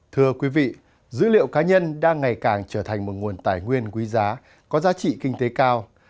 thưa quý vị dữ liệu cá nhân đang ngày càng trở thành một nguồn tài nguyên quý giá có giá trị kinh tế cao